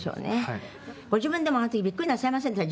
ご自分でもあの時ビックリなさいませんでした？